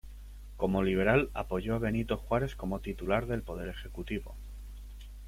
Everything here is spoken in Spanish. Como liberal, apoyó a Benito Juárez como titular del Poder Ejecutivo.